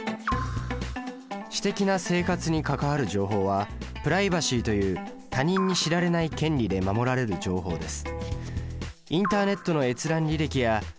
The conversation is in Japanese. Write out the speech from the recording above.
私的な生活にかかわる情報はプライバシーという他人に知られない権利で守られる情報です。